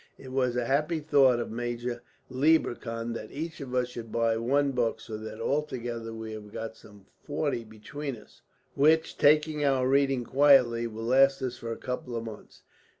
It was a happy thought of Major Leiberkuhn that each of us should buy one book, so that altogether we have got some forty between us; which, taking our reading quietly, will last us for a couple of months.